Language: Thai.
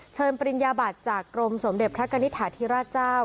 ปริญญาบัตรจากกรมสมเด็จพระกณิตฐาธิราชเจ้า